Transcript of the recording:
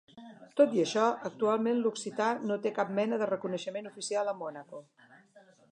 Tot i això, actualment l'occità no té cap mena de reconeixement oficial a Mònaco.